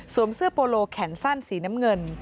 เสื้อโปโลแขนสั้นสีน้ำเงิน